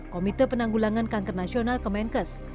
komite penanggulangan kanker nasional kemenkes